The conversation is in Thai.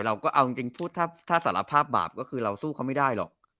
เราก็เอาจริงพูดถ้าสารภาพบาปก็คือเราสู้เขาไม่ได้หรอก